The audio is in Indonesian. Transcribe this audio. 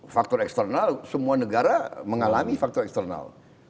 faktor eksternal semua negara mengalami faktor eksternal